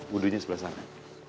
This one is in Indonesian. buduhnya sebelah sana